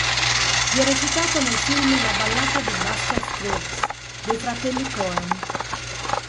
Viene citato nel film “La ballata di Buster Scruggs” dei fratelli Coen.